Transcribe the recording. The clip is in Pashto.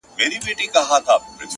o د لاس د گوتو تر منځ لا فرق سته!